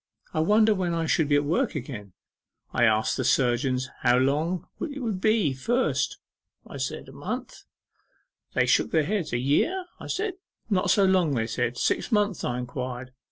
I wonder when I shall be at work again? I asked the surgeons how long it would be first. I said a month? They shook their heads. A year? I said. Not so long, they said. Six months? I inquired.